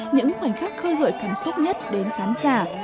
những khoảnh khắc khơi gợi cảm xúc nhất đến khán giả